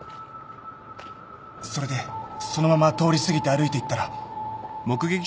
それでそのまま通り過ぎて歩いていったら。